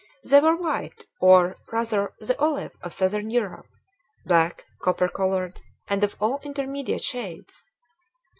They were white, or, rather, the olive of southern Europe, black, copper colored, and of all intermediate shades.